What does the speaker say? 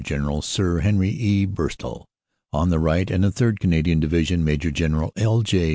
General Sir Henry E. Burstall, on the right and the 3rd. Canadian Division, Maj. General L. J.